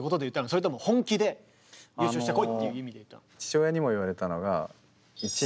それとも本気で優勝してこいっていう意味で言ったの？